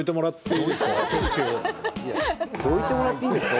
いや「どいてもらっていいですか？」。